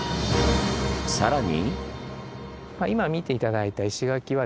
さらに。